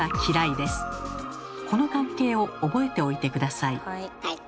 この関係を覚えておいて下さい。